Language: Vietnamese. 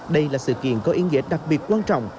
đây là sự kiện có ý nghĩa đặc biệt quan trọng